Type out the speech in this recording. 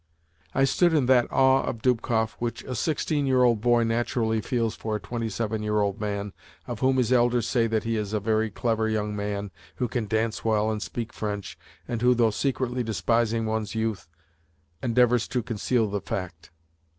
I stood in that awe of Dubkoff which a sixteen year old boy naturally feels for a twenty seven year old man of whom his elders say that he is a very clever young man who can dance well and speak French, and who, though secretly despising one's youth, endeavours to conceal the fact.